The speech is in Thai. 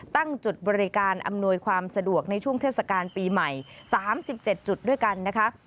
ตั้งจุดบริการอำนวยความสะดวกในช่วงเทศกาลปีใหม่๓๗จุดด้วยกันนะคะ